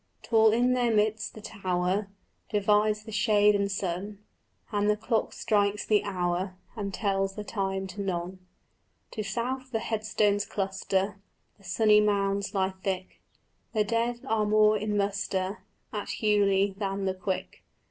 Tall in their midst the tower Divides the shade and sun, And the clock strikes the hour And tells the time to none. To south the headstones cluster, The sunny mounds lie thick; The dead are more in muster At Hughley than the quick.